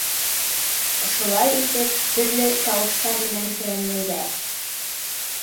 Ошолай итеп төрлө тауыштар менән һөрәнләйҙәр: